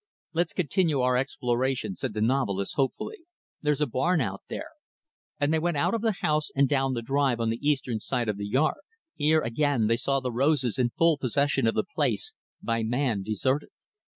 "Let's continue our exploration," said the novelist, hopefully. "There's a barn out there." And they went out of the house, and down the drive on the eastern side of the yard. Here, again, they saw the roses in full possession of the place by man, deserted.